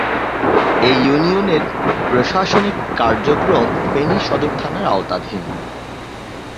এ ইউনিয়নের প্রশাসনিক কার্যক্রম ফেনী সদর থানার আওতাধীন।